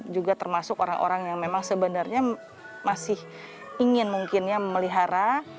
juga termasuk orang orang yang memang sebenarnya masih ingin mungkin ya memelihara